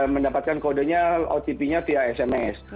mendapatkan kodenya otp nya via sms